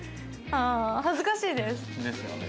ああ恥ずかしいです。ですよね。